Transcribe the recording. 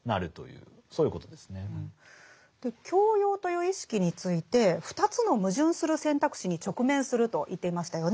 教養という意識について２つの矛盾する選択肢に直面すると言っていましたよね。